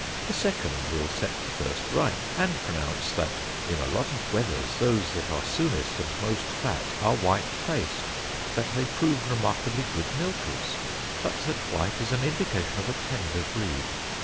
A second will set the first right, and pronounce that, in a lot of wethers, those that are soonest and most fat, are white faced; that they prove remarkable good milkers; but that white is an indication of a tender breed.